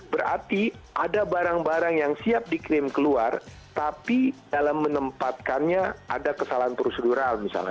berarti ada barang barang yang siap dikirim keluar tapi dalam menempatkannya ada kesalahan prosedural misalnya